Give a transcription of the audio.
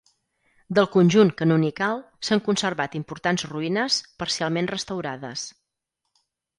Del conjunt canonical s'han conservat importants ruïnes, parcialment restaurades.